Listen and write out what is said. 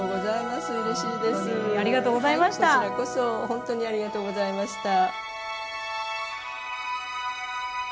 ほんとにありがとうございました。